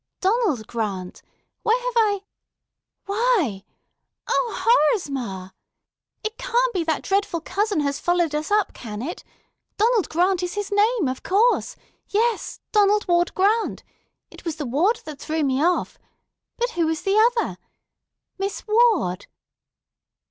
Donald Grant. Where have I, why—! O, horrors, ma! It can't be that dreadful cousin has followed us up, can it? Donald Grant is his name, of course; yes, Donald Ward Grant. It was the Ward that threw me off. But who is the other? Miss Ward.